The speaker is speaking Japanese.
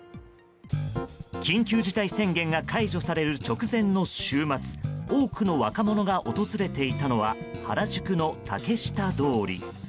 緊急事態宣言が解除される直前の週末多くの若者が訪れていたのは原宿の竹下通り。